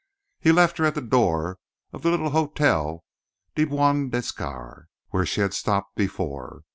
He left her at the door of the little Hotel de Buen Descansar, where she had stopped before.